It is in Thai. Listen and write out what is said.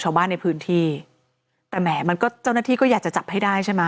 ชาวบ้านในพื้นที่แต่แหมมันก็เจ้าหน้าที่ก็อยากจะจับให้ได้ใช่ไหม